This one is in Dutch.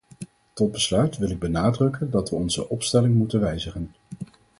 Tot besluit wil ik benadrukken dat we onze opstelling moeten wijzigen.